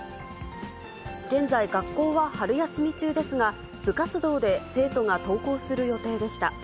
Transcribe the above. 現在、学校は春休み中ですが、部活動で生徒が登校する予定でした。